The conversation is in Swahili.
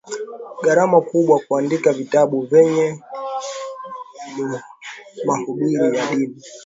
gharama kubwa kuandika vitabu vyenye mahubiri ya dini